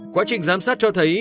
quá trình giám sát cho thấy